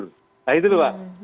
nah itu mbak